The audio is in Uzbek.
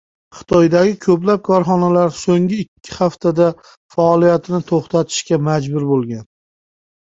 Xitoydagi ko‘plab korxonalar so‘nggi ikki haftada faoliyatini to‘xtatishga majbur bo‘lgan